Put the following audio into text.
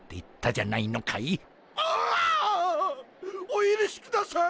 おゆるしください！